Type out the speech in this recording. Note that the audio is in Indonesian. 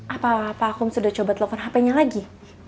apa pak akum sudah coba telfon hp nya lagi